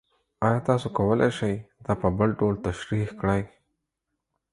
ایا تاسو کولی شئ دا په بل ډول تشریح کړئ؟